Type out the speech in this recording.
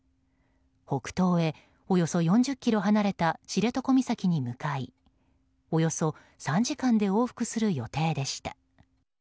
北東へおよそ４０ｋｍ離れた知床岬に向かいおよそ３時間で往復する予定でした。